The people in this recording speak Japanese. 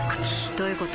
どういうこと？